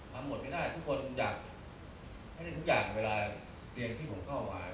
หมดไม่ได้ทุกคนอยากให้ได้ทุกอย่างเวลาเรียนที่ผมเป้าหมาย